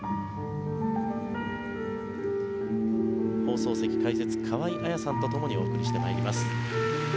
放送席解説河合彩さんとともにお送りしてまいります。